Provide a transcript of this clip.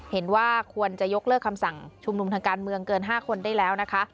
เห็นว่าควรจะยกเลิกคำสั่งชุมนุมทางการเมืองเกิน๕คนได้แล้วนะคะ